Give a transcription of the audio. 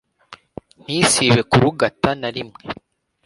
ntisibe kurugata narimwe